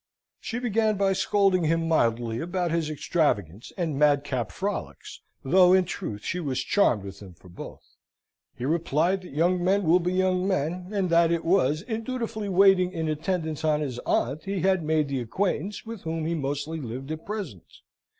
She began by scolding him mildly about his extravagance and madcap frolics (though, in truth, she was charmed with him for both) he replied that young men will be young men, and that it was in dutifully waiting in attendance on his aunt, he had made the acquaintance with whom he mostly lived at present.